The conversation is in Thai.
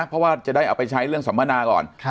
เพราะว่าจะได้เอาไปใช้เรื่องสัมมนาก่อน